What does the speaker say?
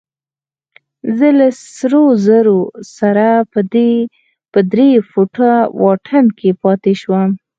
زه له سرو زرو سره په درې فوټه واټن کې پاتې شوم.